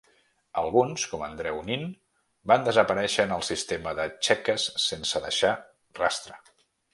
Alguns, com Andreu Nin, van desaparèixer en el sistema de txeques sense deixar rastre.